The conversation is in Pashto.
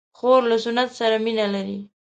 خور له سنت سره مینه لري.